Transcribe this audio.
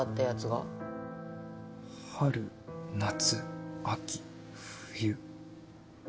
春夏秋冬。